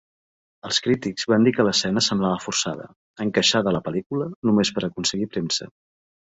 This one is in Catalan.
Els crítics van dir que l'escena semblava forçada, encaixada a la pel·lícula només per aconseguir premsa.